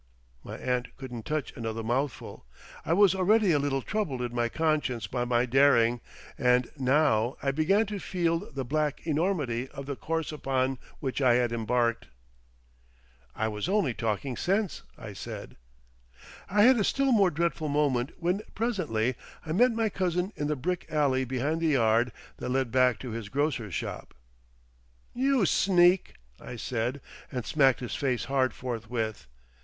My aunt couldn't touch another mouthful. I was already a little troubled in my conscience by my daring, and now I began to feel the black enormity of the course upon which I had embarked. "I was only talking sense," I said. I had a still more dreadful moment when presently I met my cousin in the brick alley behind the yard, that led back to his grocer's shop. "You sneak!" I said, and smacked his face hard forthwith.